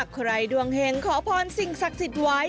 ดวงเห็งขอพรสิ่งศักดิ์สิทธิ์ไว้